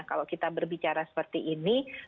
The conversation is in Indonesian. kalau kita berbicara seperti ini